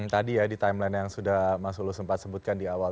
tadi ya di timeline yang sudah mas ulus sempat sebutkan di awal